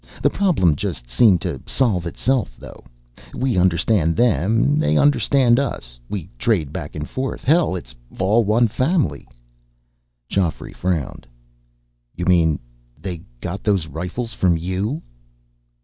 The problem just seemed to solve itself, though. We understand them, they understand us, we trade back and forth ... hell, it's all one family." Geoffrey frowned. "You mean they got those rifles from you?"